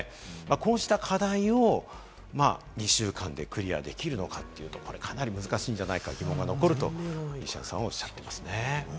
こうした課題を２週間でクリアできるのかというと、かなり難しいんじゃないかと西山さんはおっしゃっています。